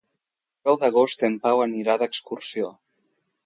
El deu d'agost en Pau anirà d'excursió.